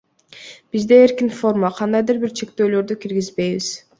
Бизде эркин форма, кандайдыр бир чектөөлөрдү киргизбейбиз.